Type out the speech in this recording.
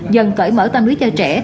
dần cởi mở tâm lý cho trẻ